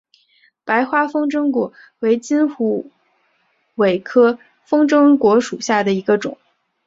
白花风筝果为金虎尾科风筝果属下的一个种。